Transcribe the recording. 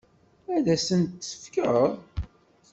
Ad asen-t-tefkeḍ?